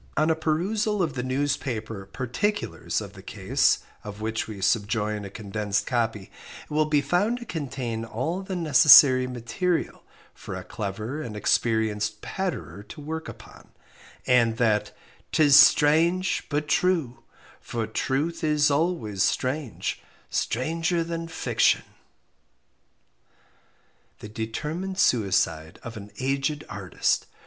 On a perusal of the newspaper "Particulars" of the case, of which we subjoin a condensed copy, it will be found to contain all the necessary material for a clever and experienced "Patterer" to work upon, and that "'Tis strange but true; for truth is always strange, stranger than fiction!" The Determined Suicide of an Aged Artist.